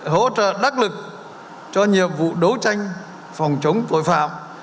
hỗ trợ đắc lực cho nhiệm vụ đấu tranh phòng chống tội phạm